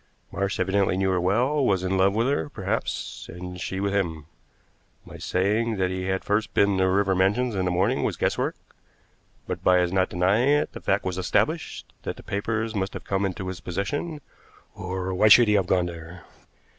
Marsh evidently knew her well; was in love with her, perhaps, and she with him. My saying that he had first been to River Mansions in the morning was guesswork, but by his not denying it, the fact was established that the papers must have come into his possession, or why should he have gone there?